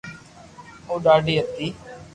او ڌادي ھتي